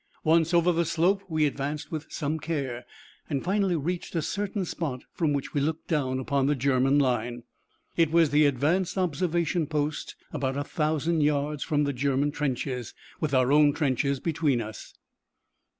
Once over the slope we advanced with some care, and finally reached a certain spot from which we looked down upon the German line. It was the advanced observation post, about a thousand yards from the German trenches, with our own trenches between us.